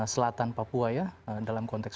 selatan papua ya dalam konteks